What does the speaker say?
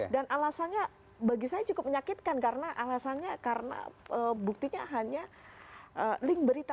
dan alasannya bagi saya cukup menyakitkan karena alasannya karena buktinya hanya link berita